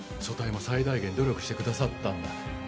組対も最大限努力してくださったんだ